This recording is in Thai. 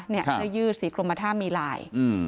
เนี่ยในยืดสีกรมภาษามีลาย